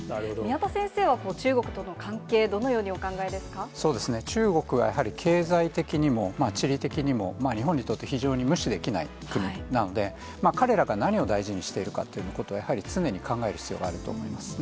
宮田先生は中国との関係、そうですね、中国はやはり経済的にも地理的にも、日本にとって非常に無視できない国なので、彼らが何を大事にしているかというようなことは、やはり常に考える必要があると思いますね。